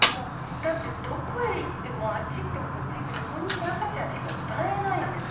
だってどこへ行ってもあっち行ってもこっち行っても『こんにちは赤ちゃん』しか歌えないんですよ。